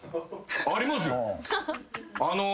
ありますよ。